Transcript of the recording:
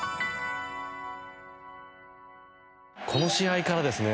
この試合からですね